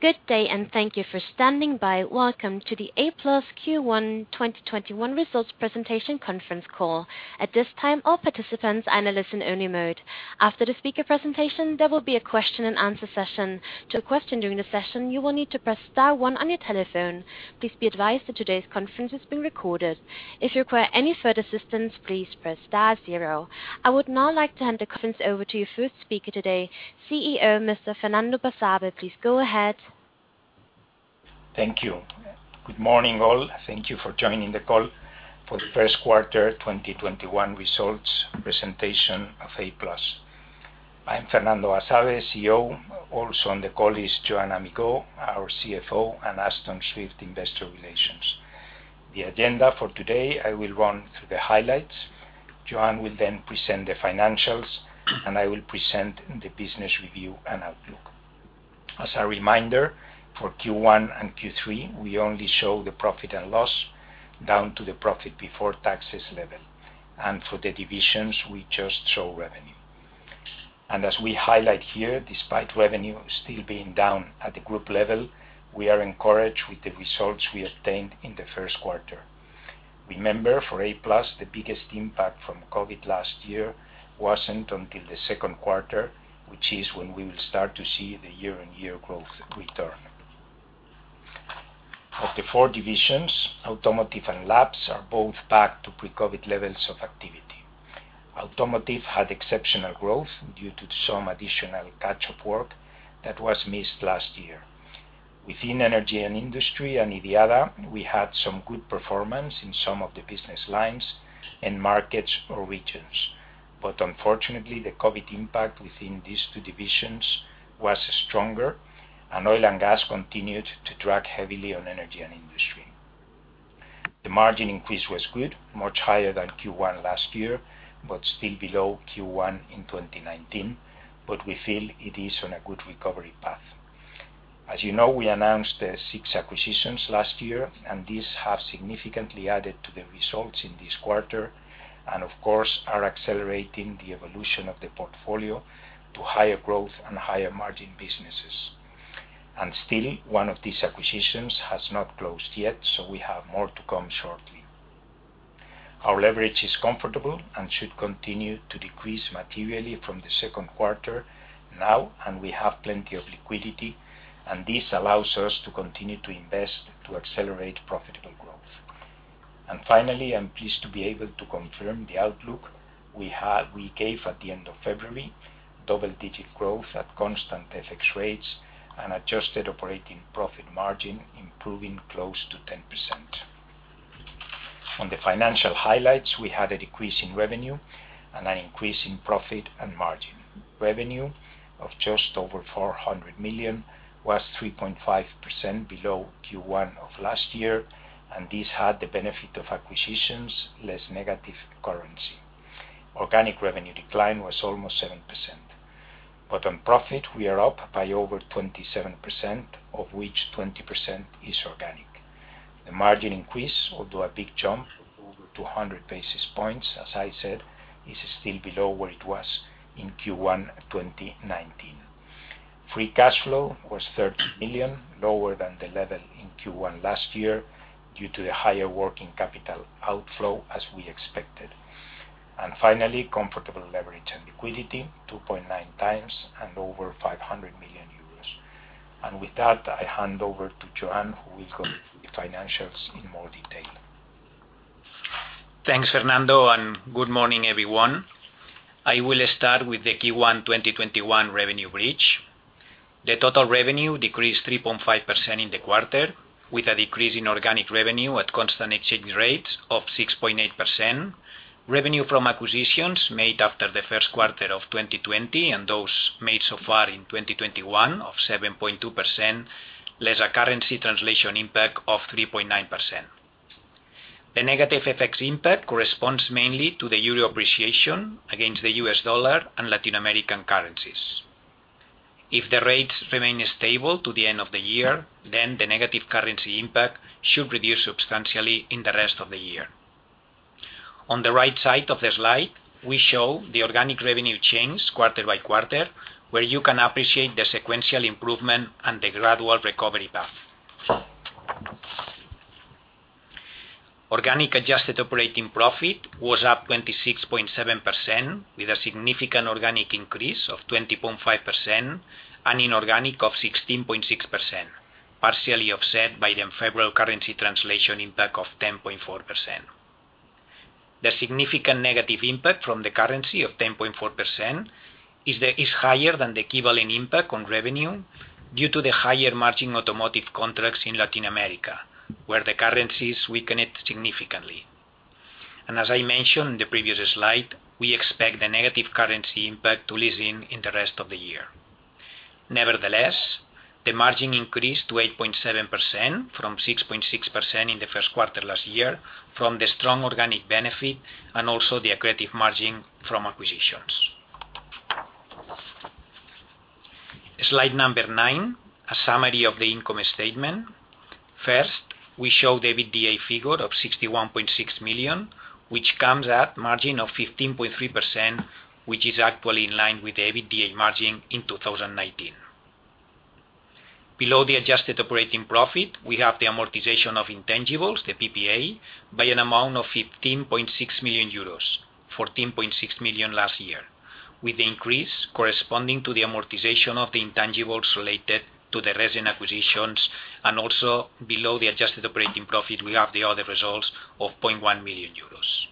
Good day, and thank you for standing by. Welcome to the Applus+ Q1 2021 results presentation conference call. At this time, all participants are in a listen-only mode. After the speaker presentation, there will be a question and answer session. To ask a question during the session, you will need to press star one on your telephone. Please be advised that today's conference is being recorded. If you require any further assistance, please press star zero. I would now like to hand the conference over to your first speaker today, CEO, Mr. Fernando Basabe. Please go ahead. Thank you. Good morning, all. Thank you for joining the call for the first quarter 2021 results presentation of Applus+. I'm Fernando Basabe, CEO. Also on the call is Joan Amigó, our CFO, and Aston Swift, Investor Relations. The agenda for today, I will run through the highlights. Joan will then present the financials, and I will present the business review and outlook. As a reminder, for Q1 and Q3, we only show the profit and loss down to the profit before taxes level. For the divisions, we just show revenue. As we highlight here, despite revenue still being down at the group level, we are encouraged with the results we obtained in the first quarter. Remember, for Applus+, the biggest impact from COVID last year wasn't until the second quarter, which is when we will start to see the year-on-year growth return. Of the four divisions, Automotive and Labs are both back to pre-COVID levels of activity. Automotive had exceptional growth due to some additional catch-up work that was missed last year. Within Energy and Industry and IDIADA, we had some good performance in some of the business lines and markets or regions. Unfortunately, the COVID impact within these two divisions was stronger, and oil and gas continued to track heavily on energy and industry. The margin increase was good, much higher than Q1 last year, but still below Q1 in 2019. We feel it is on a good recovery path. As you know, we announced the six acquisitions last year, and these have significantly added to the results in this quarter and, of course, are accelerating the evolution of the portfolio to higher growth and higher margin businesses. Still, one of these acquisitions has not closed yet, so we have more to come shortly. Our leverage is comfortable and should continue to decrease materially from the second quarter now, and we have plenty of liquidity, and this allows us to continue to invest to accelerate profitable growth. Finally, I'm pleased to be able to confirm the outlook we gave at the end of February, double-digit growth at constant FX rates and adjusted operating profit margin improving close to 10%. On the financial highlights, we had a decrease in revenue and an increase in profit and margin. Revenue of just over 400 million was 3.5% below Q1 of last year, and this had the benefit of acquisitions less negative currency. Organic revenue decline was almost 7%. On profit, we are up by over 27%, of which 20% is organic. The margin increase, although a big jump of over 200 basis points, as I said, is still below where it was in Q1 2019. Free cash flow was 30 million, lower than the level in Q1 last year due to the higher working capital outflow, as we expected. Finally, comfortable leverage and liquidity, 2.9x and over 500 million euros. With that, I hand over to Joan, who will go through the financials in more detail. Thanks, Fernando. Good morning, everyone. I will start with the Q1 2021 revenue bridge. The total revenue decreased 3.5% in the quarter, with a decrease in organic revenue at constant exchange rates of 6.8%. Revenue from acquisitions made after the first quarter of 2020 and those made so far in 2021 of 7.2%, less a currency translation impact of 3.9%. The negative FX impact corresponds mainly to the Euro appreciation against the U.S. dollar and Latin American currencies. If the rates remain stable to the end of the year, the negative currency impact should reduce substantially in the rest of the year. On the right side of the slide, we show the organic revenue change quarter by quarter, where you can appreciate the sequential improvement and the gradual recovery path. Organic adjusted operating profit was up 26.7%, with a significant organic increase of 20.5% and inorganic of 16.6%, partially offset by the unfavorable currency translation impact of 10.4%. The significant negative impact from the currency of 10.4% is higher than the equivalent impact on revenue due to the higher margin automotive contracts in Latin America, where the currencies weakened significantly. As I mentioned in the previous slide, we expect the negative currency impact to lessen in the rest of the year. Nevertheless, the margin increased to 8.7% from 6.6% in the first quarter last year from the strong organic benefit and also the accretive margin from acquisitions. Slide number nine, a summary of the income statement. First, we show the EBITDA figure of 61.6 million, which comes at margin of 15.3%, which is actually in line with the EBITDA margin in 2019. Below the adjusted operating profit, we have the amortization of intangibles, the PPA, by an amount of 15.6 million euros, 14.6 million last year, with the increase corresponding to the amortization of the intangibles related to the recent acquisitions, and also below the adjusted operating profit, we have the other results of 0.1 million euros.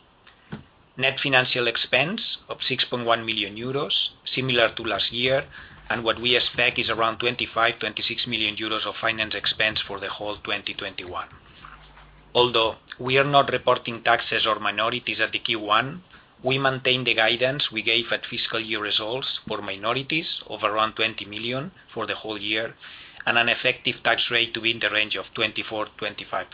Net financial expense of 6.1 million euros, similar to last year, and what we expect is around 25 million-26 million euros of finance expense for the whole 2021. Although we are not reporting taxes or minorities at the Q1, we maintain the guidance we gave at fiscal year results for minorities of around 20 million for the whole year and an effective tax rate to be in the range of 24%-25%.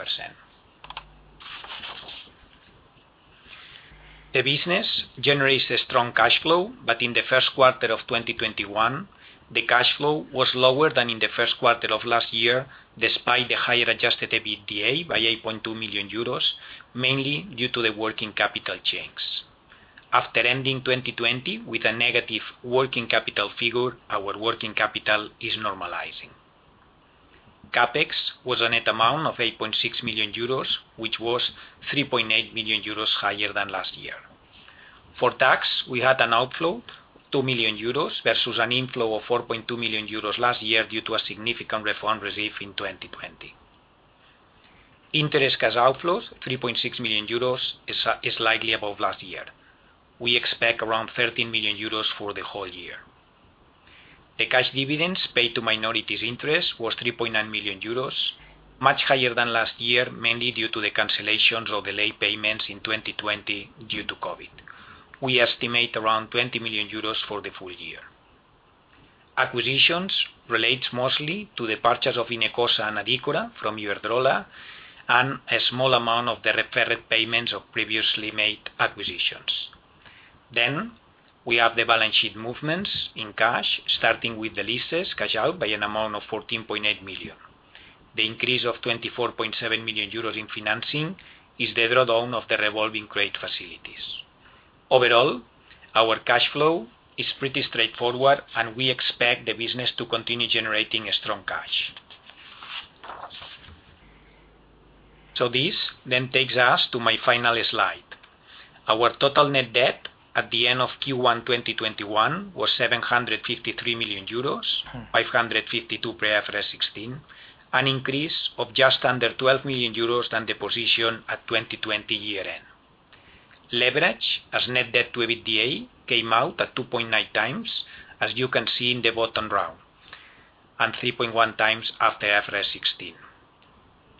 The business generates a strong cash flow, but in the first quarter of 2021, the cash flow was lower than in the first quarter of last year, despite the higher adjusted EBITDA by 8.2 million euros, mainly due to the working capital changes. After ending 2020 with a negative working capital figure, our working capital is normalizing. CapEx was a net amount of 8.6 million euros, which was 3.8 million euros higher than last year. For tax, we had an outflow of 2 million euros versus an inflow of 4.2 million euros last year due to a significant refund received in 2020. Interest cash outflows, 3.6 million euros, is slightly above last year. We expect around 13 million euros for the whole year. The cash dividends paid to minorities' interest was 3.9 million euros, much higher than last year, mainly due to the cancellations or delayed payments in 2020 due to COVID. We estimate around 20 million euros for the full year. Acquisitions relates mostly to the purchase of Inecosa and Adícora from Iberdrola and a small amount of the deferred payments of previously made acquisitions. We have the balance sheet movements in cash, starting with the leases cash out by an amount of 14.8 million. The increase of 24.7 million euros in financing is the draw down of the revolving credit facilities. Overall, our cash flow is pretty straightforward, and we expect the business to continue generating strong cash. This then takes us to my final slide. Our total net debt at the end of Q1 2021 was 753 million euros, 552 million pre IFRS 16, an increase of just under 12 million euros than the position at 2020 year end. Leverage as net debt to EBITDA came out at 2.9x, as you can see in the bottom row, and 3.1x after IFRS 16.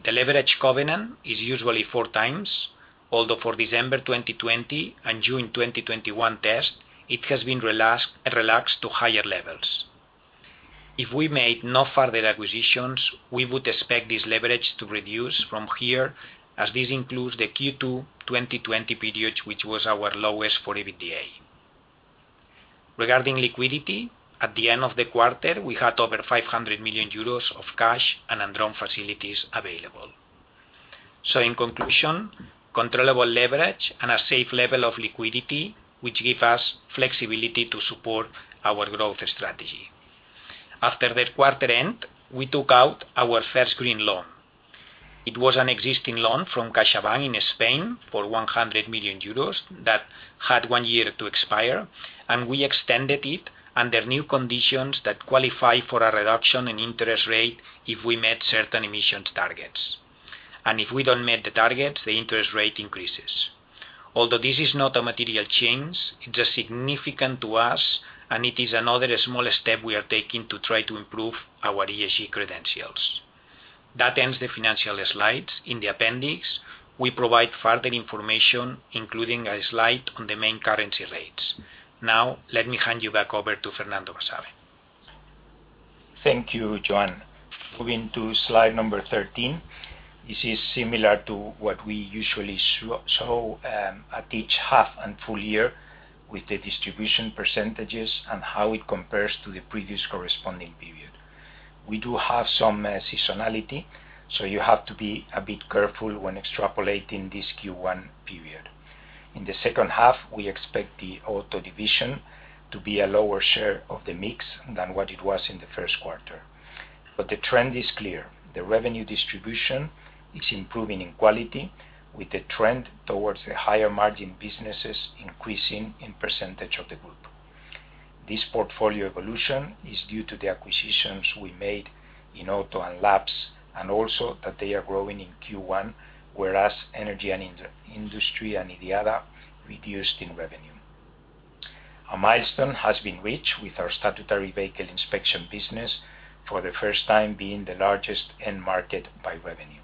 The leverage covenant is usually four times, although for December 2020 and June 2021 test, it has been relaxed to higher levels. If we made no further acquisitions, we would expect this leverage to reduce from here, as this includes the Q2 2020 period, which was our lowest for EBITDA. Regarding liquidity, at the end of the quarter, we had over 500 million euros of cash and undrawn facilities available. In conclusion, controllable leverage and a safe level of liquidity, which give us flexibility to support our growth strategy. After the quarter end, we took out our first green loan. It was an existing loan from CaixaBank in Spain for 100 million euros that had one year to expire, and we extended it under new conditions that qualify for a reduction in interest rate if we met certain emissions targets. If we don't meet the targets, the interest rate increases. Although this is not a material change, it's significant to us, and it is another small step we are taking to try to improve our ESG credentials. That ends the financial slides. In the appendix, we provide further information, including a slide on the main currency rates. Let me hand you back over to Fernando Basabe. Thank you, Joan. Moving to slide number 13. This is similar to what we usually show at each half and full year with the distribution percentages and how it compares to the previous corresponding period. We do have some seasonality, so you have to be a bit careful when extrapolating this Q1 period. In the second half, we expect the auto division to be a lower share of the mix than what it was in the first quarter. The trend is clear. The revenue distribution is improving in quality, with the trend towards the higher margin businesses increasing in percentage of the group. This portfolio evolution is due to the acquisitions we made in auto and labs, and also that they are growing in Q1, whereas energy and industry and IDIADA reduced in revenue. A milestone has been reached with our statutory vehicle inspection business for the first time being the largest end market by revenue.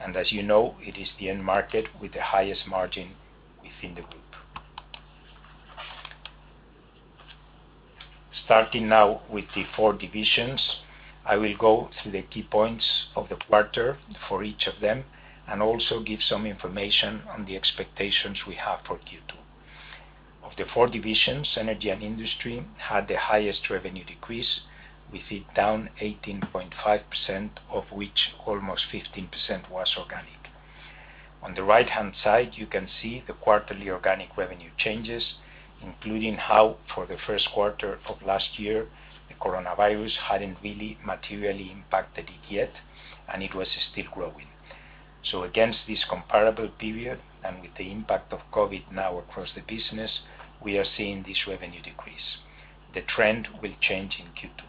As you know, it is the end market with the highest margin within the group. Starting now with the four divisions, I will go through the key points of the quarter for each of them and also give some information on the expectations we have for Q2. Of the four divisions, Energy & Industry had the highest revenue decrease, with it down 18.5%, of which almost 15% was organic. On the right-hand side, you can see the quarterly organic revenue changes, including how for the first quarter of last year, the coronavirus hadn't really materially impacted it yet, and it was still growing. Against this comparable period, and with the impact of COVID now across the business, we are seeing this revenue decrease. The trend will change in Q2.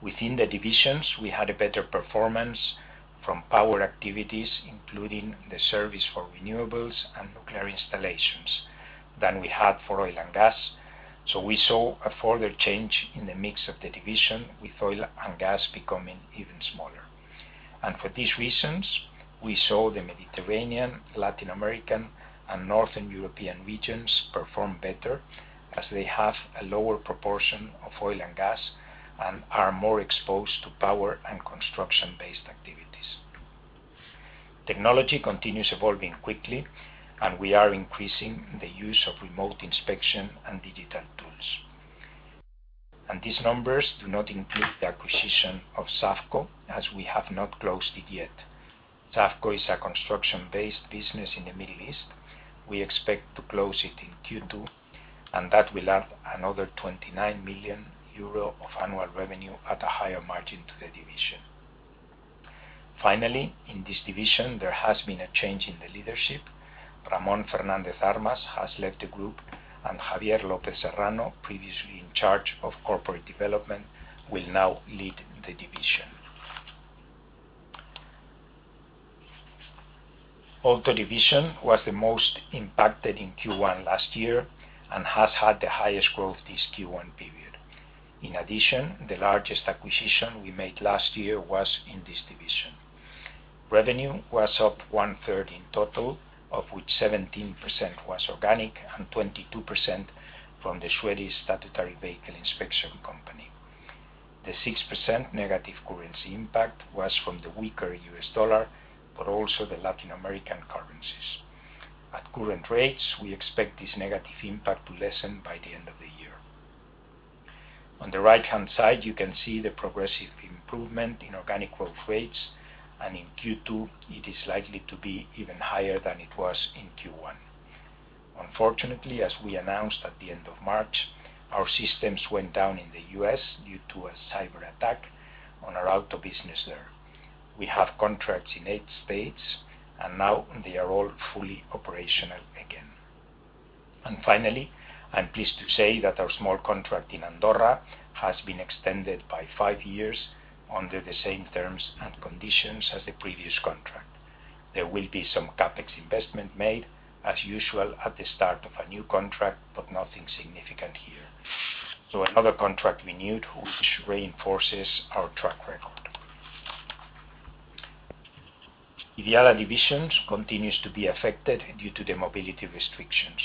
Within the divisions, we had a better performance from power activities, including the service for renewables and nuclear installations, than we had for oil and gas. We saw a further change in the mix of the division, with oil and gas becoming even smaller. For these reasons, we saw the Mediterranean, Latin American, and Northern European regions perform better as they have a lower proportion of oil and gas and are more exposed to power and construction-based activities. Technology continues evolving quickly, and we are increasing the use of remote inspection and digital tools. These numbers do not include the acquisition of SAFCO as we have not closed it yet. SAFCO is a construction-based business in the Middle East. We expect to close it in Q2. That will add another 29 million euro of annual revenue at a higher margin to the division. Finally, in this division, there has been a change in the leadership. Ramón Fernández Armas has left the group. Javier López-Serrano, previously in charge of corporate development, will now lead the division. Auto Division was the most impacted in Q1 last year and has had the highest growth this Q1 period. In addition, the largest acquisition we made last year was in this division. Revenue was up 1/3 in total, of which 17% was organic and 22% from the Swedish statutory vehicle inspection company. The 6% negative currency impact was from the weaker U.S. dollar, but also the Latin American currencies. At current rates, we expect this negative impact to lessen by the end of the year. On the right-hand side, you can see the progressive improvement in organic growth rates, and in Q2 it is likely to be even higher than it was in Q1. Unfortunately, as we announced at the end of March, our systems went down in the U.S. due to a cyber attack on our auto business there. We have contracts in eight states and now they are all fully operational again. Finally, I'm pleased to say that our small contract in Andorra has been extended by five years under the same terms and conditions as the previous contract. There will be some CapEx investment made, as usual, at the start of a new contract, but nothing significant here. Another contract renewed, which reinforces our track record. IDIADA divisions continues to be affected due to the mobility restrictions.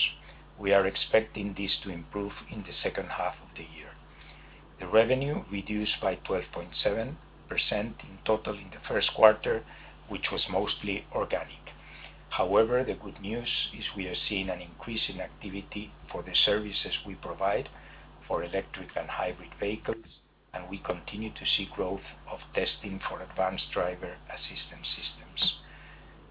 We are expecting this to improve in the second half of the year. The revenue reduced by 12.7% in total in the first quarter, which was mostly organic. The good news is we are seeing an increase in activity for the services we provide for electric and hybrid vehicles, and we continue to see growth of testing for advanced driver assistance systems.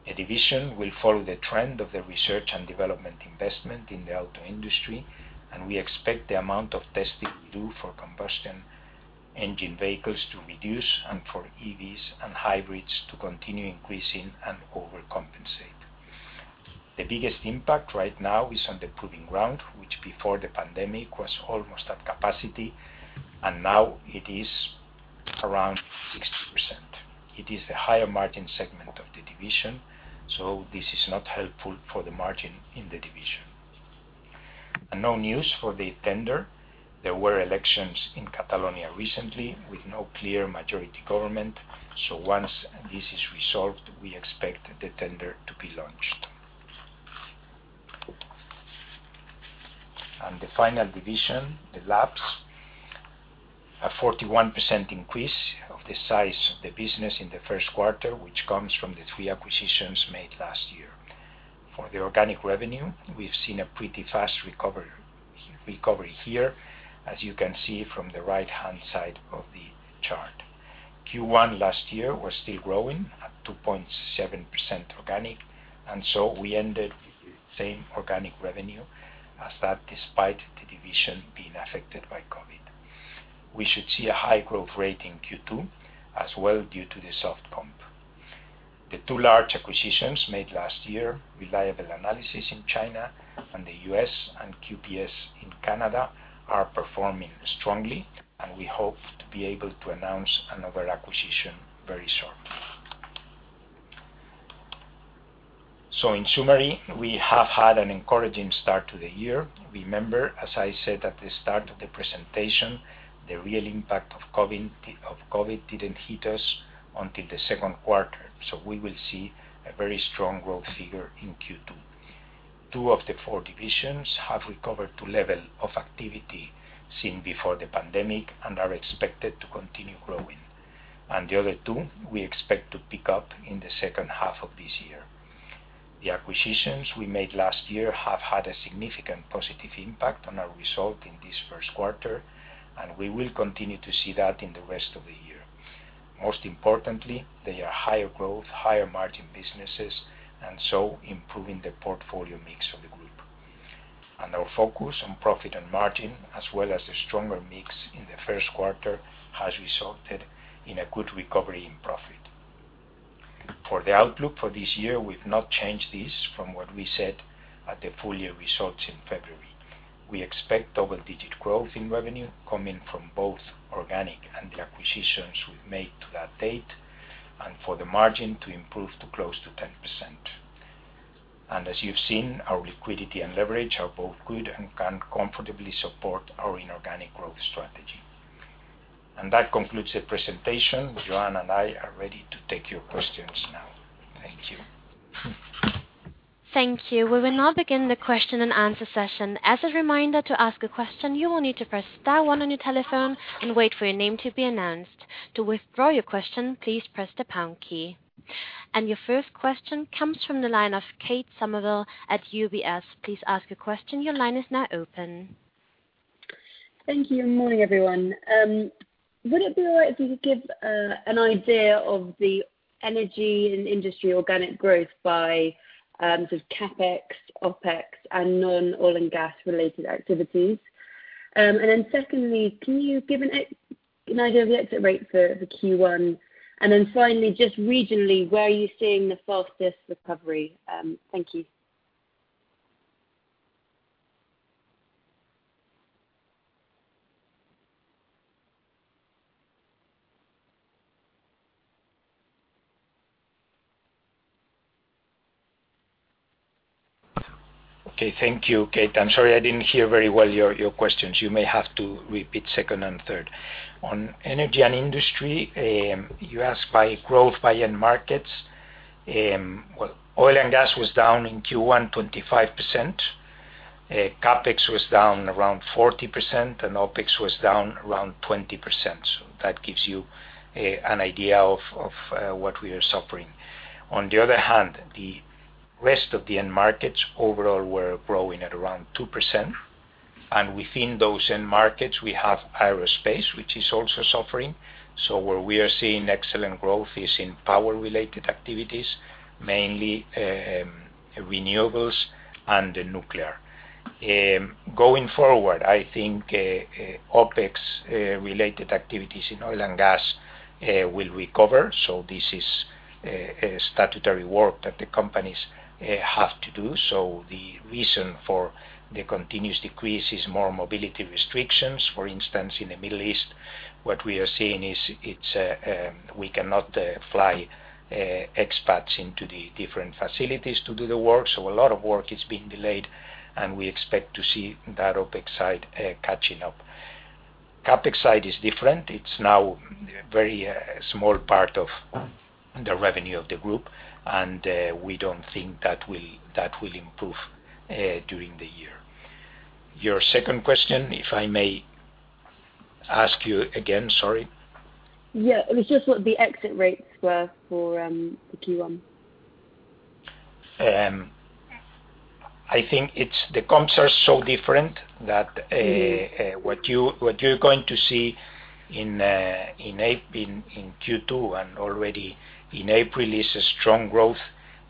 The division will follow the trend of the research and development investment in the auto industry, and we expect the amount of testing we do for combustion engine vehicles to reduce and for EVs and hybrids to continue increasing and overcompensate. The biggest impact right now is on the proving ground, which before the pandemic was almost at capacity, and now it is around 60%. It is the higher margin segment of the division, this is not helpful for the margin in the division. No news for the tender. There were elections in Catalonia recently with no clear majority government. Once this is resolved, we expect the tender to be launched. The final division, the labs, a 41% increase of the size of the business in the first quarter, which comes from the three acquisitions made last year. For the organic revenue, we've seen a pretty fast recovery here, as you can see from the right-hand side of the chart. Q1 last year was still growing at 2.7% organic, we ended with the same organic revenue as that despite the division being affected by COVID. We should see a high growth rate in Q2 as well due to the soft comp. The two large acquisitions made last year, Reliable Analysis in China and the U.S., and QPS in Canada, are performing strongly, and we hope to be able to announce another acquisition very shortly. In summary, we have had an encouraging start to the year. Remember, as I said at the start of the presentation, the real impact of COVID didn't hit us until the second quarter. We will see a very strong growth figure in Q2. Two of the four divisions have recovered to level of activity seen before the pandemic and are expected to continue growing. The other two, we expect to pick up in the second half of this year. The acquisitions we made last year have had a significant positive impact on our result in this first quarter, and we will continue to see that in the rest of the year. Most importantly, they are higher growth, higher margin businesses, and so improving the portfolio mix of the group. Our focus on profit and margin, as well as the stronger mix in the first quarter, has resulted in a good recovery in profit. For the outlook for this year, we've not changed this from what we said at the full-year results in February. We expect double-digit growth in revenue coming from both organic and the acquisitions we've made to that date, and for the margin to improve to close to 10%. As you've seen, our liquidity and leverage are both good and can comfortably support our inorganic growth strategy. That concludes the presentation. Joan and I are ready to take your questions now. Thank you. Thank you. We will now begin the question and answer session. As a reminder, to ask a question, you will need to press star one on your telephone and wait for your name to be announced. To withdraw your question, please press the pound key. Your first question comes from the line of Kate Somerville at UBS. Please ask your question. Your line is now open. Thank you. Morning, everyone. Would it be all right if you could give an idea of the energy and industry organic growth by just CapEx, OpEx, and non-oil and gas-related activities? Secondly, can you give an idea of the exit rate for the Q1? Finally, just regionally, where are you seeing the fastest recovery? Thank you. Okay. Thank you, Kate. I'm sorry, I didn't hear very well your questions. You may have to repeat second and third. On energy and industry, you asked by growth, by end markets. Well, oil and gas was down in Q1, 25%. CapEx was down around 40%, and OpEx was down around 20%. That gives you an idea of what we are suffering. On the other hand, the rest of the end markets overall were growing at around 2%. Within those end markets, we have aerospace, which is also suffering. Where we are seeing excellent growth is in power-related activities, mainly renewables and nuclear. Going forward, I think OpEx-related activities in oil and gas will recover. This is statutory work that the companies have to do. The reason for the continuous decrease is more mobility restrictions. For instance, in the Middle East, what we are seeing is we cannot fly expats into the different facilities to do the work. A lot of work is being delayed, and we expect to see that OpEx side catching up. CapEx side is different. It is now very small part of the revenue of the group, and we don't think that will improve during the year. Your second question, if I may ask you again. Sorry. Yeah. It was just what the exit rates were for the Q1. I think the comps are so different that what you're going to see in Q2 and already in April is a strong growth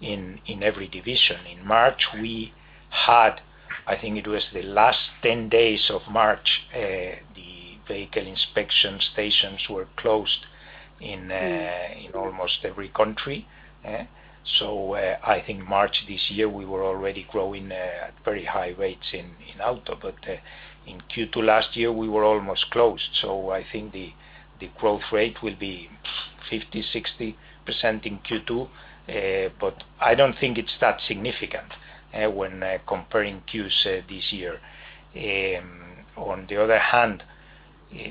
in every division. In March, we had, I think it was the last 10 days of March, the vehicle inspection stations were closed in almost every country. I think March this year, we were already growing at very high rates in auto. In Q2 last year, we were almost closed. I think the growth rate will be 50%, 60% in Q2. I don't think it's that significant when comparing Qs this year. On the other hand,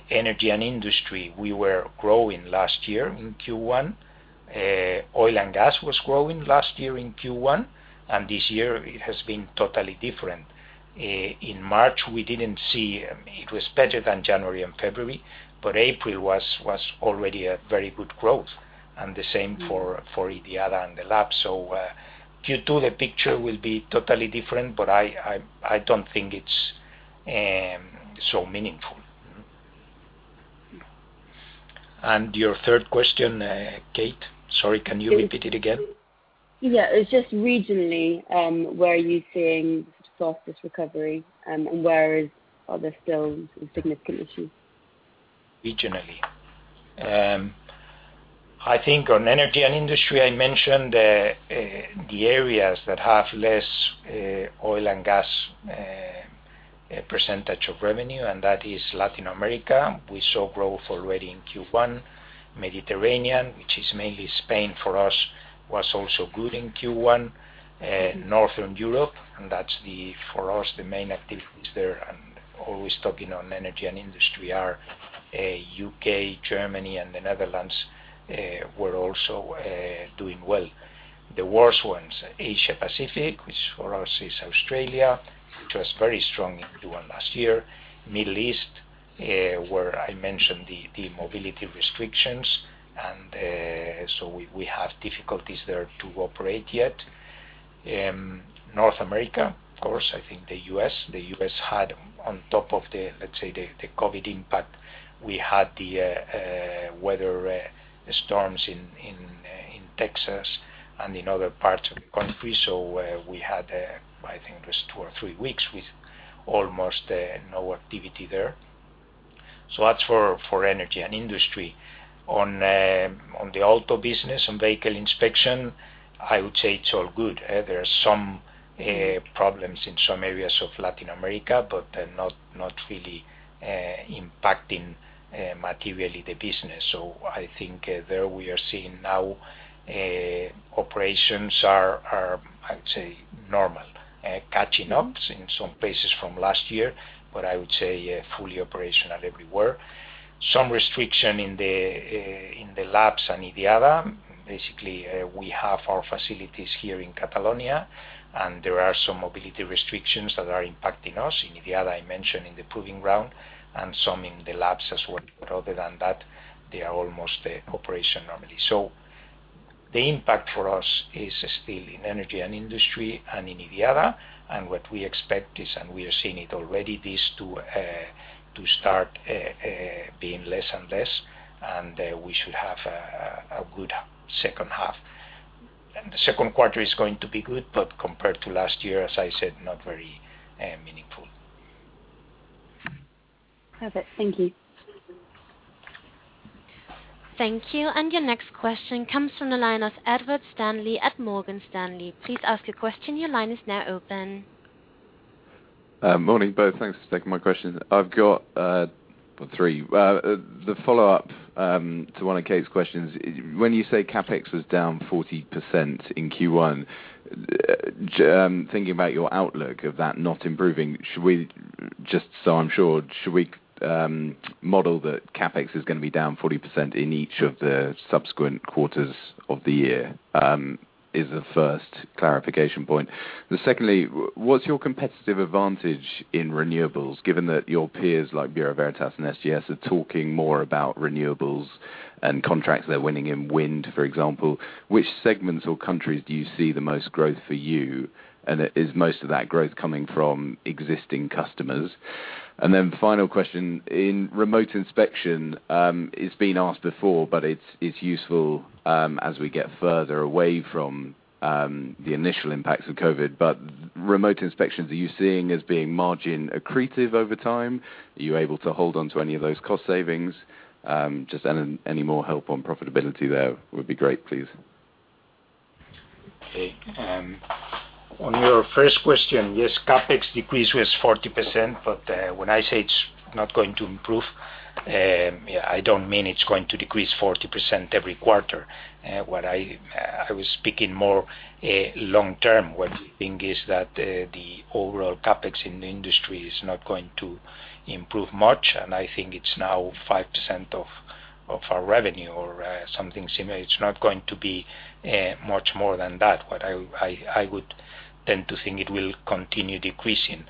Energy & Industry, we were growing last year in Q1. Oil and gas was growing last year in Q1, this year it has been totally different. In March, we didn't see, it was better than January and February, April was already a very good growth. The same for IDIADA and the lab. Q2, the picture will be totally different, but I don't think it's so meaningful. Your third question, Kate, sorry, can you repeat it again? Yeah. It was just regionally, where are you seeing the fastest recovery, and where are there still some significant issues? Regionally. I think on energy and industry, I mentioned the areas that have less oil and gas percentage of revenue. That is Latin America. We saw growth already in Q1. Mediterranean, which is mainly Spain for us, was also good in Q1. Northern Europe, and that's for us the main activities there, I'm always talking on energy and industry, are U.K., Germany, and the Netherlands were also doing well. The worst ones, Asia-Pacific, which for us is Australia, which was very strong in Q1 last year. Middle East, where I mentioned the mobility restrictions. We have difficulties there to operate yet. North America, of course, I think the U.S. The U.S. had on top of the, let's say, the COVID impact, we had the weather storms in Texas and in other parts of the country. We had, I think it was two or three weeks with almost no activity there. That's for energy and industry. On the auto business, on vehicle inspection, I would say it's all good. There are some problems in some areas of Latin America, but not really impacting materially the business. I think there we are seeing now operations are, I would say, normal. Catching up in some places from last year, but I would say fully operational everywhere. Some restriction in the labs and IDIADA. Basically, we have our facilities here in Catalonia, and there are some mobility restrictions that are impacting us. In IDIADA, I mentioned in the proving ground, and some in the labs as well. Other than that, they are almost operational normally. The impact for us is still in energy and industry and in IDIADA. What we expect is, and we are seeing it already, this to start being less and less, and we should have a good second half. The second quarter is going to be good, but compared to last year, as I said, not very meaningful. Perfect. Thank you. Thank you. Your next question comes from the line of Edward Stanley at Morgan Stanley. Morning, both. Thanks for taking my question. I've got three. The follow-up to one of Kate's questions. When you say CapEx was down 40% in Q1, thinking about your outlook of that not improving, just so I'm sure, should we model that CapEx is going to be down 40% in each of the subsequent quarters of the year? Is the first clarification point. Secondly, what's your competitive advantage in renewables, given that your peers like Bureau Veritas and SGS are talking more about renewables and contracts they're winning in wind, for example. Which segments or countries do you see the most growth for you? Is most of that growth coming from existing customers? Final question, in remote inspection, it's been asked before, but it's useful as we get further away from the initial impacts of COVID. Remote inspections, are you seeing as being margin accretive over time? Are you able to hold on to any of those cost savings? Just any more help on profitability there would be great, please. Okay. On your first question, yes, CapEx decrease was 40%. When I say it's not going to improve, I don't mean it's going to decrease 40% every quarter. I was speaking more long-term. What we think is that the overall CapEx in the industry is not going to improve much. I think it's now 5% of our revenue or something similar. It's not going to be much more than that. I would tend to think it will continue decreasing.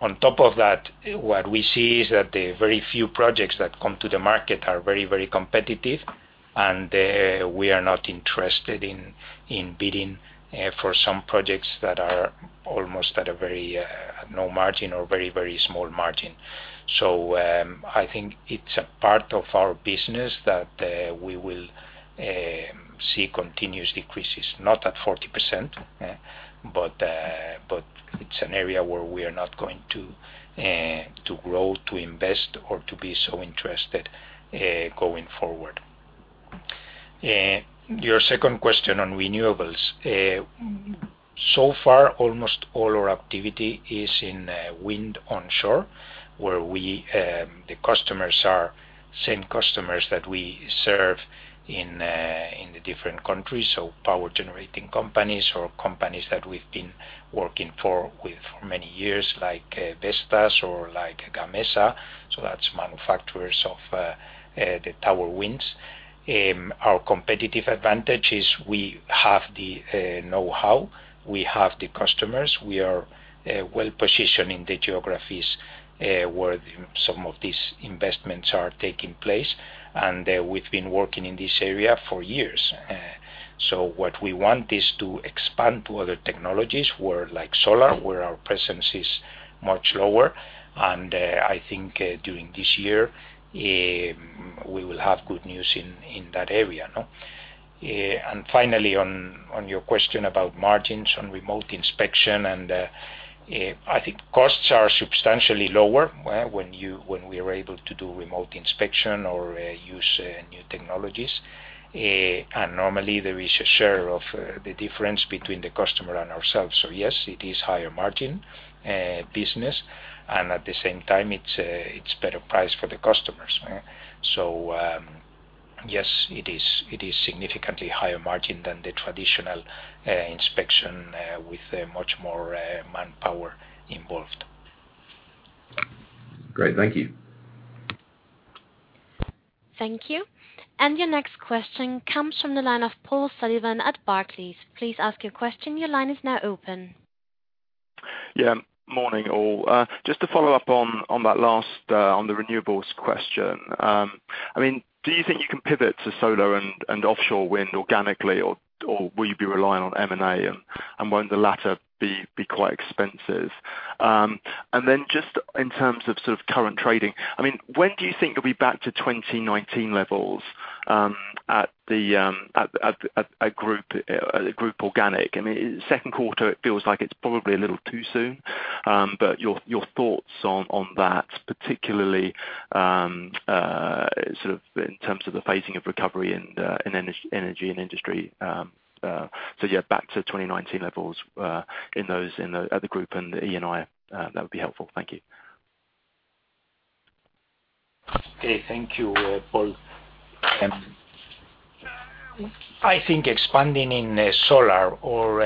On top of that, what we see is that the very few projects that come to the market are very competitive. We are not interested in bidding for some projects that are almost at a very no margin or very small margin. I think it's a part of our business that we will see continuous decreases, not at 40%, but it's an area where we are not going to grow, to invest or to be so interested going forward. Your second question on renewables. So far, almost all our activity is in wind onshore, where the customers are same customers that we serve in the different countries, so power generating companies or companies that we've been working for with for many years, like Vestas or like Gamesa. That's manufacturers of the tower winds. Our competitive advantage is we have the know-how. We have the customers. We are well-positioned in the geographies where some of these investments are taking place, and we've been working in this area for years. What we want is to expand to other technologies where like solar, where our presence is much lower. I think during this year, we will have good news in that area. Finally, on your question about margins on remote inspection, I think costs are substantially lower when we are able to do remote inspection or use new technologies. Normally there is a share of the difference between the customer and ourselves. Yes, it is higher margin business, and at the same time, it's better price for the customers. Yes, it is significantly higher margin than the traditional inspection with much more manpower involved. Great. Thank you. Thank you. Your next question comes from the line of Paul Sullivan at Barclays. Please ask your question. Yeah. Morning, all. Just to follow up on the renewables question. Do you think you can pivot to solar and offshore wind organically, or will you be relying on M&A, and won't the latter be quite expensive? Then just in terms of current trading, when do you think you'll be back to 2019 levels at group organic? Second quarter, it feels like it's probably a little too soon, but your thoughts on that, particularly in terms of the phasing of recovery in energy and industry. Yeah, back to 2019 levels at the group and the ENI, that would be helpful. Thank you. Okay. Thank you, Paul. I think expanding in solar or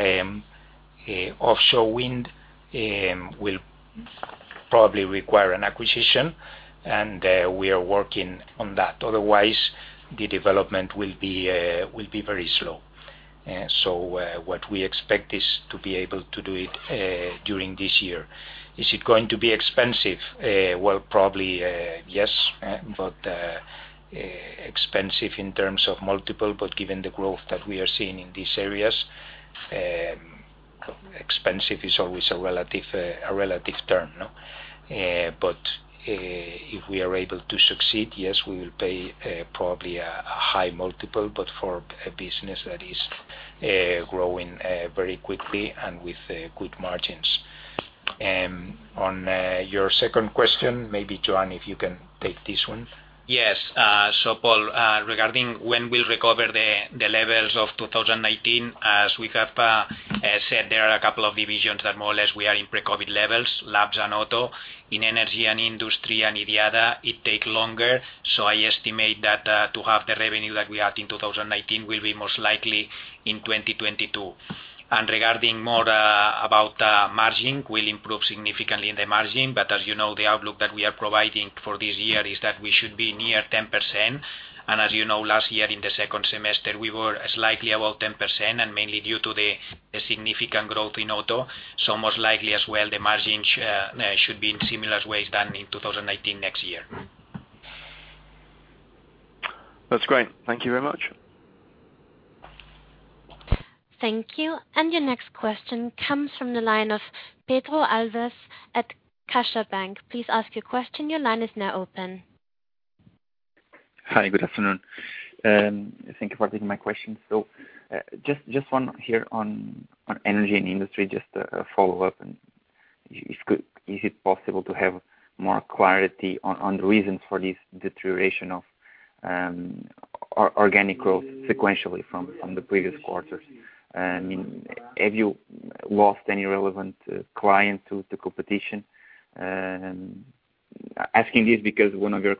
offshore wind will probably require an acquisition, and we are working on that. Otherwise, the development will be very slow. What we expect is to be able to do it during this year. Is it going to be expensive? Well, probably, yes. Expensive in terms of multiple, but given the growth that we are seeing in these areas, expensive is always a relative term. If we are able to succeed, yes, we will pay probably a high multiple, but for a business that is growing very quickly and with good margins. On your second question, maybe Joan, if you can take this one. Yes. Paul, regarding when we'll recover the levels of 2019, as we have said, there are a couple of divisions that more or less we are in pre-COVID levels, labs and auto. In energy and industry and IDIADA, it take longer. I estimate that to have the revenue that we had in 2019 will be most likely in 2022. Regarding more about margin, we'll improve significantly in the margin. As you know, the outlook that we are providing for this year is that we should be near 10%. As you know, last year in the second semester, we were slightly above 10% and mainly due to the significant growth in auto. Most likely as well, the margin should be in similar ways than in 2019 next year. That's great. Thank you very much. Thank you. Your next question comes from the line of Pedro Alves at CaixaBank. Please ask your question. Hi, good afternoon. Thank you for taking my question. Just one here on energy and industry, just a follow-up. Is it possible to have more clarity on the reasons for this deterioration of organic growth sequentially from the previous quarters? Have you lost any relevant client to competition? Asking this because one of your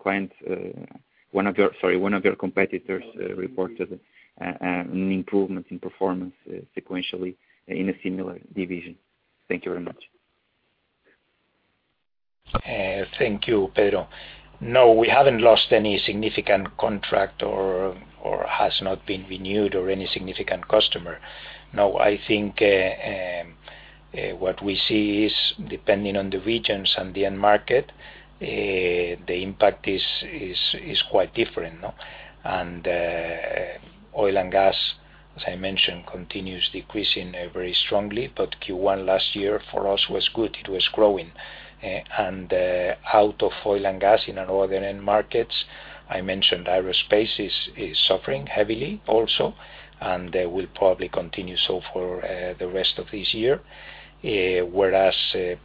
competitors reported an improvement in performance sequentially in a similar division. Thank you very much. Thank you, Pedro. No, we haven't lost any significant contract or has not been renewed or any significant customer. No, I think what we see is depending on the regions and the end market, the impact is quite different. Oil and gas, as I mentioned, continues decreasing very strongly, but Q1 last year for us was good. It was growing. Out of oil and gas in our other end markets, I mentioned aerospace is suffering heavily also, and will probably continue so for the rest of this year. Whereas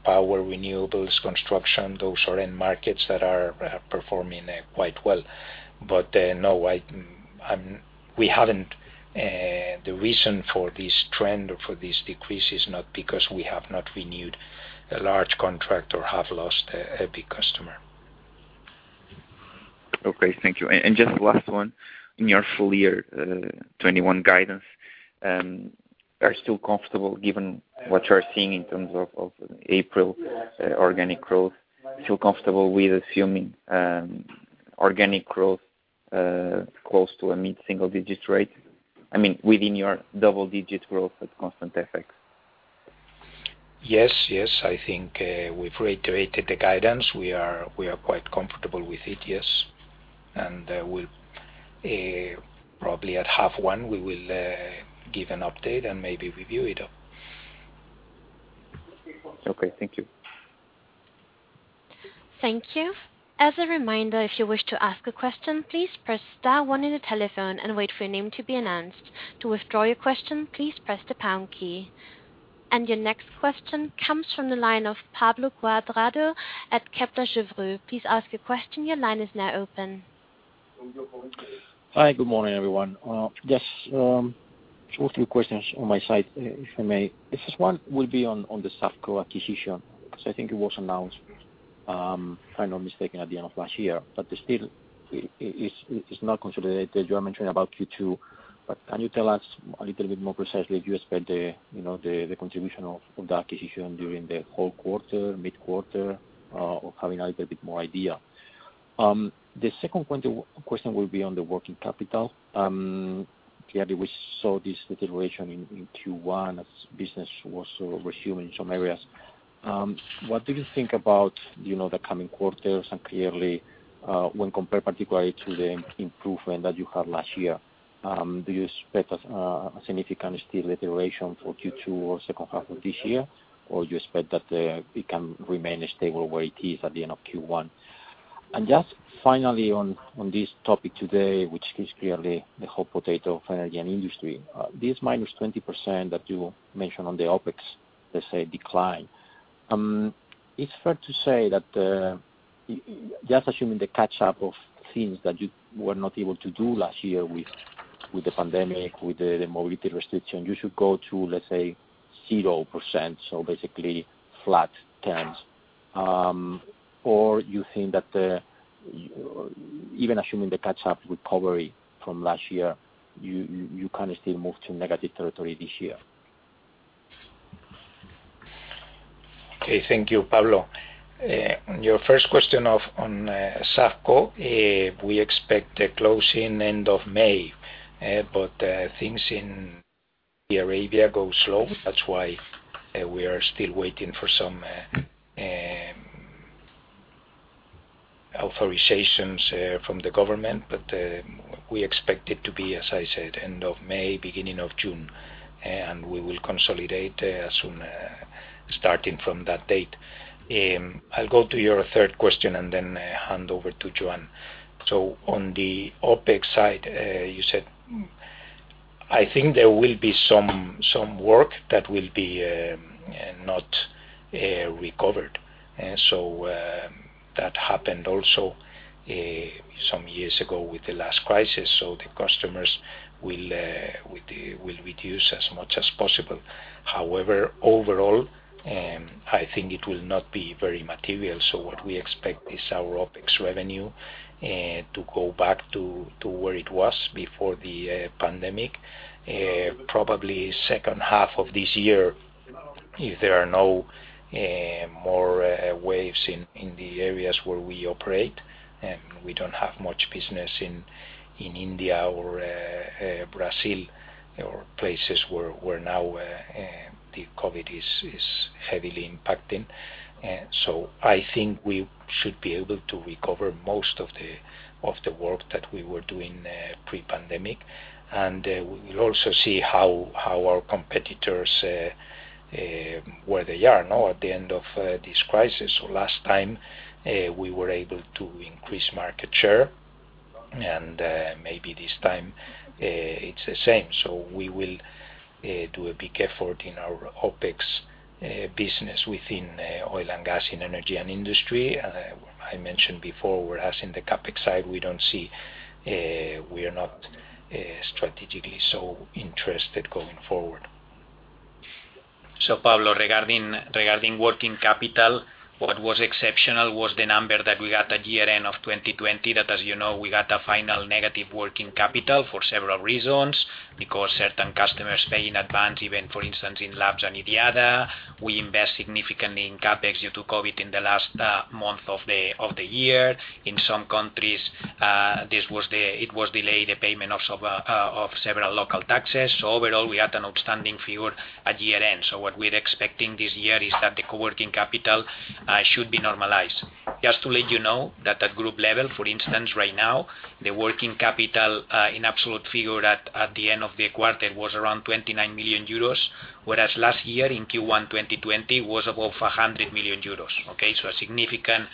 power renewables, construction, those are end markets that are performing quite well. No, the reason for this trend or for this decrease is not because we have not renewed a large contract or have lost a big customer. Okay, thank you. Just last one, in your full year 2021 guidance, are you still comfortable given what you're seeing in terms of April organic growth, feel comfortable with assuming organic growth close to a mid-single digit rate? I mean, within your double-digit growth at constant FX. I think we've reiterated the guidance. We are quite comfortable with it, yes. Probably at half one, we will give an update and maybe review it. Okay. Thank you. Thank you. As a reminder, if you wish to ask a question, please press star one on your telephone and wait for your name to be announced. To withdraw your question, please press the pound key. Your next question comes from the line of Pablo Cuadrado at Kepler Cheuvreux. Please ask your question. Your line is now open. Hi, good morning, everyone. Just two or three questions on my side, if I may. The first one will be on the SAFCO acquisition, because I think it was announced, if I'm not mistaken, at the end of last year, but it still is not consolidated. You are mentioning about Q2. Can you tell us a little bit more precisely if you expect the contribution of the acquisition during the whole quarter, mid-quarter, or having a little bit more idea? The second question will be on the working capital. Clearly, we saw this deterioration in Q1 as business was resuming in some areas. What do you think about the coming quarters and clearly, when compared particularly to the improvement that you had last year, do you expect a significant still deterioration for Q2 or second half of this year? You expect that it can remain stable where it is at the end of Q1? Just finally, on this topic today, which is clearly the hot potato for energy and industry, this -20% that you mentioned on the OpEx, let's say decline. It's fair to say that, just assuming the catch-up of things that you were not able to do last year with the pandemic, with the mobility restriction, you should go to, let's say, 0%, so basically flat terms. You think that even assuming the catch-up recovery from last year, you can still move to negative territory this year? Okay. Thank you, Pablo. On your first question on SAFCO, we expect a closing end of May. Things in Arabia go slow. That's why we are still waiting for some authorizations from the government. We expect it to be, as I said, end of May, beginning of June. We will consolidate soon, starting from that date. I'll go to your third question and then hand over to Joan. On the OpEx side, you said, I think there will be some work that will be not recovered. That happened also some years ago with the last crisis, so the customers will reduce as much as possible. However, overall, I think it will not be very material. What we expect is our OpEx revenue to go back to where it was before the pandemic. Probably second half of this year, if there are no more waves in the areas where we operate, and we don't have much business in India or Brazil or places where now the COVID is heavily impacting. I think we should be able to recover most of the work that we were doing pre-pandemic. We will also see how our competitors, where they are now at the end of this crisis. Last time, we were able to increase market share, and maybe this time it's the same. We will do a big effort in our OpEx business within oil and gas, in energy and industry. I mentioned before, whereas in the CapEx side, we are not strategically so interested going forward. Pablo, regarding working capital, what was exceptional was the number that we got at year-end of 2020, that as you know, we got a final negative working capital for several reasons, because certain customers pay in advance, even, for instance, in labs and IDIADA. We invest significantly in CapEx due to COVID in the last month of the year. In some countries, it was delayed, the payment of several local taxes. Overall, we had an outstanding figure at year-end. What we're expecting this year is that the working capital should be normalized. Just to let you know that at group level, for instance, right now, the working capital in absolute figure at the end of the quarter was around 29 million euros, whereas last year in Q1 2020, was above 100 million euros. A significant,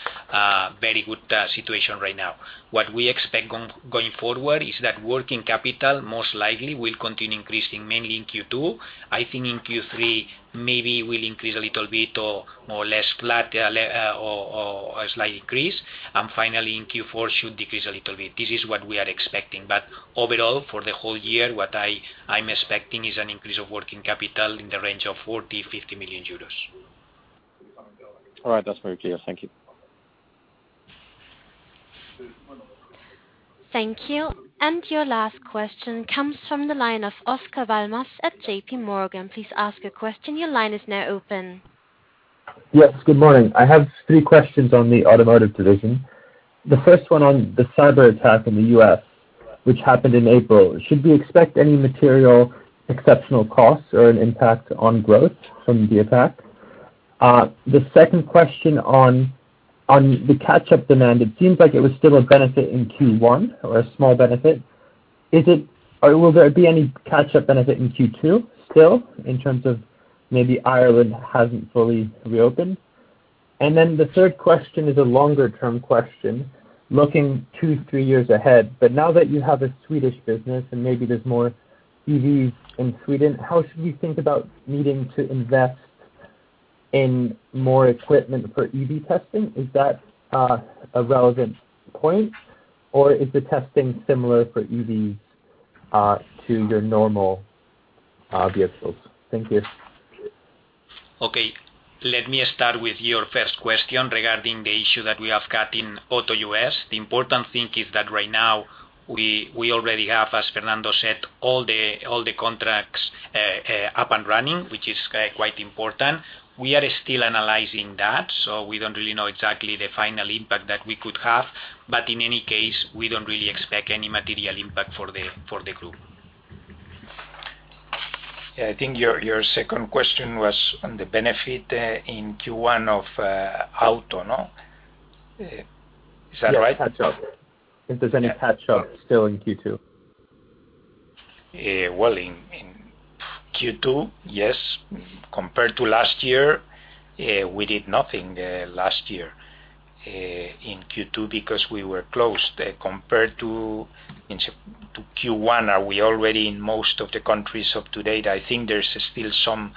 very good situation right now. What we expect going forward is that working capital most likely will continue increasing mainly in Q2. I think in Q3, maybe will increase a little bit or less flat or a slight increase, and finally in Q4 should decrease a little bit. This is what we are expecting. Overall, for the whole year, what I'm expecting is an increase of working capital in the range of 40 million-50 million euros. All right. That's very clear. Thank you. Thank you. Your last question comes from the line of Oscar Val Mas at JPMorgan. Please ask your question your line is open. Yes, good morning. I have three questions on the automotive division. The first one on the cyber attack in the U.S., which happened in April. Should we expect any material exceptional costs or an impact on growth from the attack? The second question on the catch-up demand, it seems like it was still a benefit in Q1 or a small benefit. Will there be any catch-up benefit in Q2 still in terms of maybe Ireland hasn't fully reopened? The third question is a longer-term question, looking two, three years ahead. Now that you have a Swedish business and maybe there's more EVs in Sweden, how should we think about needing to invest in more equipment for EV testing? Is that a relevant point, or is the testing similar for EVs to your normal vehicles? Thank you. Okay. Let me start with your first question regarding the issue that we have got in Auto U.S. The important thing is that right now we already have, as Fernando said, all the contracts up and running, which is quite important. We are still analyzing that, so we don't really know exactly the final impact that we could have. In any case, we don't really expect any material impact for the group. I think your second question was on the benefit in Q1 of Auto, no? Is that right? Yes, catch-up. If there's any catch-up still in Q2. In Q2, yes. Compared to last year, we did nothing last year in Q2 because we were closed. Compared to Q1, we already in most of the countries up to date. I think there's still some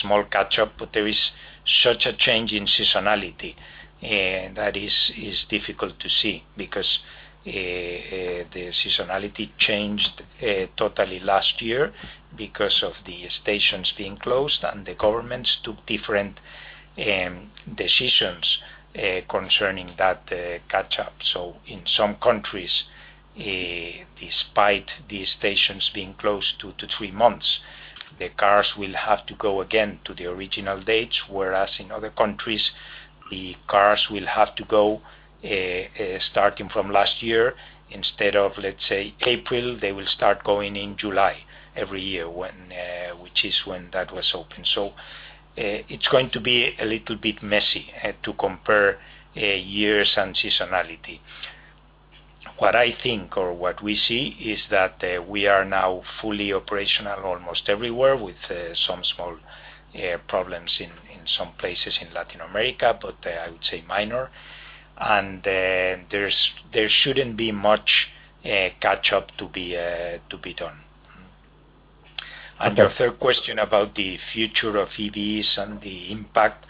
small catch-up, but there is such a change in seasonality, and that is difficult to see because the seasonality changed totally last year because of the stations being closed and the governments took different decisions concerning that catch-up. In some countries, despite these stations being closed two to three months, the cars will have to go again to the original dates, whereas in other countries, the cars will have to go starting from last year. Instead of, let's say, April, they will start going in July every year, which is when that was open. It's going to be a little bit messy to compare years and seasonality. What I think or what we see is that we are now fully operational almost everywhere with some small problems in some places in Latin America, but I would say minor. There shouldn't be much catch-up to be done. Your third question about the future of EVs and the impact.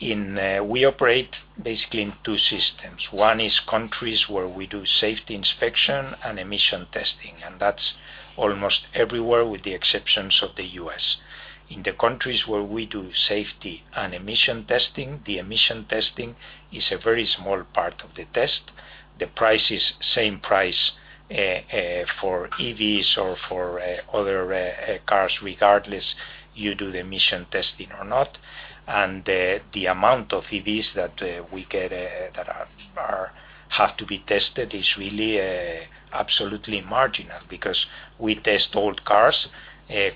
We operate basically in two systems. One is countries where we do safety inspection and emission testing, and that's almost everywhere with the exceptions of the U.S. In the countries where we do safety and emission testing, the emission testing is a very small part of the test. The price is same price for EVs or for other cars, regardless you do the emission testing or not. The amount of EVs that have to be tested is really absolutely marginal because we test old cars.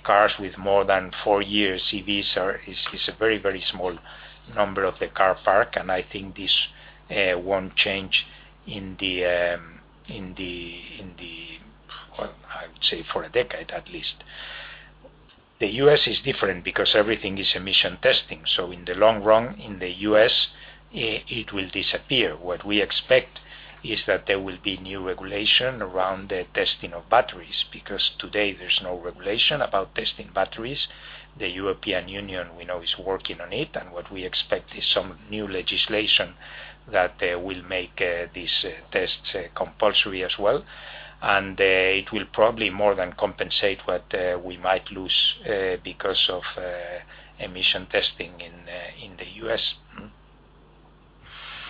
Cars with more than four years EVs is a very small number of the car park, and I think this won't change in the, I would say for a decade at least. The U.S. is different because everything is emission testing. In the long run, in the U.S., it will disappear. What we expect is that there will be new regulation around the testing of batteries, because today there's no regulation about testing batteries. The European Union we know is working on it, and what we expect is some new legislation that will make these tests compulsory as well, and it will probably more than compensate what we might lose because of emission testing in the U.S.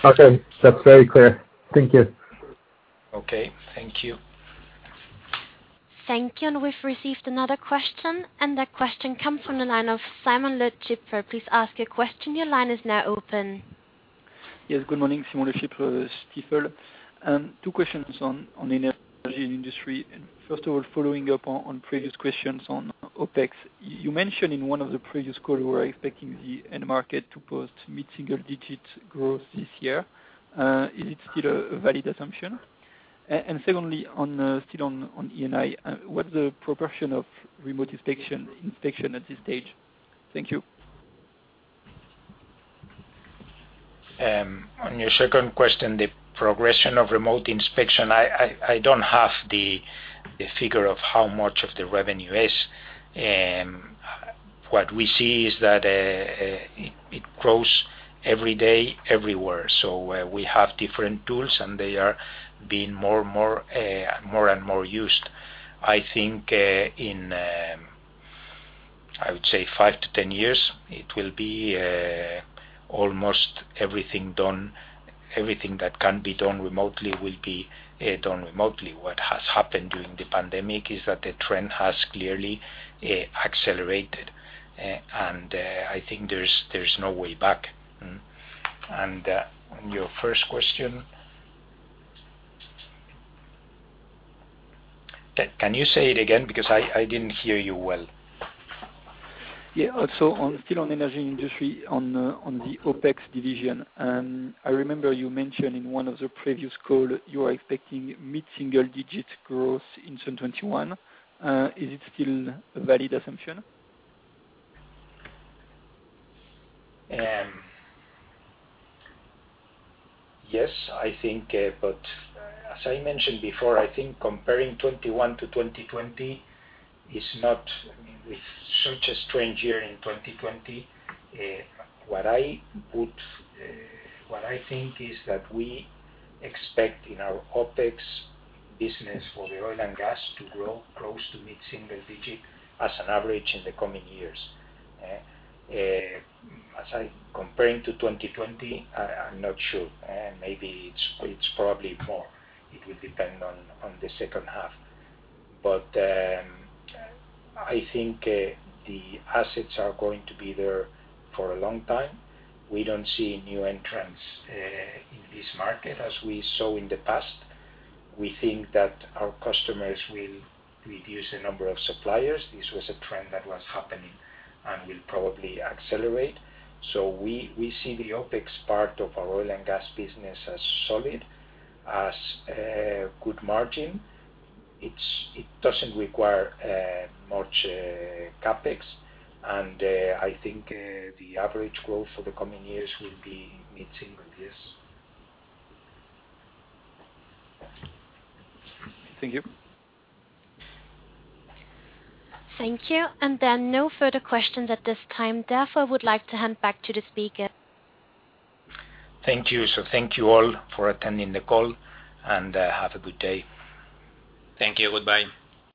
Okay. That's very clear. Thank you. Okay. Thank you. Thank you. We've received another question, and that question comes from the line of Simon Lechipre. Please ask your question. Your line is now open. Yes, good morning. Simon Lechipre, Stifel. Two questions on energy and industry. First of all, following up on previous questions on OpEx. You mentioned in one of the previous call you were expecting the end market to post mid-single digit growth this year. Is it still a valid assumption? Secondly, still on ENI, what's the progression of remote inspection at this stage? Thank you. On your second question, the progression of remote inspection, I don't have the figure of how much of the revenue is. What we see is that it grows every day everywhere. We have different tools, and they are being more and more used. I think in, I would say 5-10 years, it will be almost everything that can be done remotely will be done remotely. What has happened during the pandemic is that the trend has clearly accelerated. I think there's no way back. On your first question. Can you say it again? Because I didn't hear you well. Still on energy industry, on the OpEx division. I remember you mentioned in one of the previous call you are expecting mid-single digit growth in 2021. Is it still a valid assumption? Yes, I think. As I mentioned before, I think comparing 2021 to 2020 is not with such a strange year in 2020. What I think is that we expect in our OpEx business for the oil and gas to grow close to mid-single digit as an average in the coming years. As I comparing to 2020, I'm not sure. Maybe it's probably more. It will depend on the second half. I think the assets are going to be there for a long time. We don't see new entrants in this market as we saw in the past. We think that our customers will reduce the number of suppliers. This was a trend that was happening and will probably accelerate. We see the OpEx part of our oil and gas business as solid, as good margin. It doesn't require much CapEx. I think the average growth for the coming years will be mid-single digits. Thank you. Thank you. No further questions at this time. Therefore, I would like to hand back to the speaker. Thank you. Thank you all for attending the call and have a good day. Thank you. Goodbye.